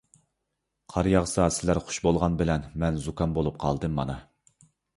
قار ياغسا سىلەر خۇش بولغان بىلەن، مەن زۇكام بولۇپ قالدىم مانا.